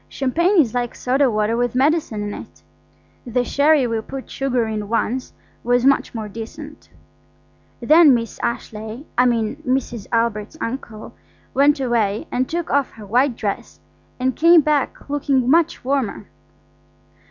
Champagne is like soda water with medicine in it. The sherry we put sugar in once was much more decent. Then Miss Ashleigh–I mean Mrs. Albert's uncle–went away and took off her white dress and came back looking much warmer.